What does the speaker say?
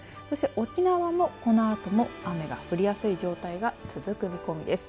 沖縄もこのあとも雨が降りやすい状態が続く見込みです。